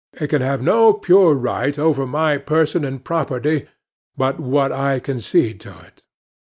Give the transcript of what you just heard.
It can have no pure right over my person and property but what I concede to it.